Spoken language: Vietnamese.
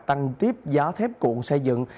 tăng tiếp giá thép cuộn xây dựng